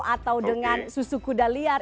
atau dengan susu kuda liar